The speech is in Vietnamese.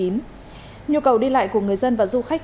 nhu cầu đi lại của người dân và du khách